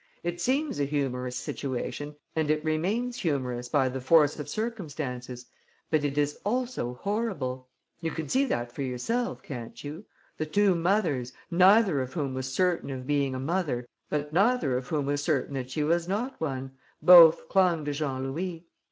It seems a humorous situation and it remains humorous by the force of circumstances; but it is also horrible. You can see that for yourself, can't you? The two mothers, neither of whom was certain of being a mother, but neither of whom was certain that she was not one, both clung to Jean Louis.